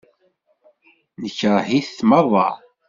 Nekṛeh-it meṛṛa.